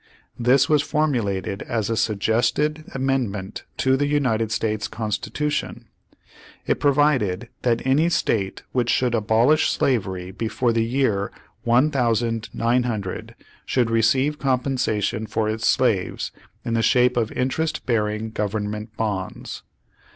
This was formulated as a suggested amendment to the United States Constitution. It provided that any state which should abolish slavery before the year one thousand nine hundred, should receive com pensation for its slaves in the shape of interest bearing Government bonds.